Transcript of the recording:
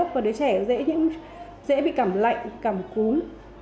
và đứa trẻ dễ bị cảm lạnh cảm cúm